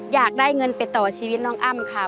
อยากได้เงินไปต่อชีวิตน้องอ้ำค่ะ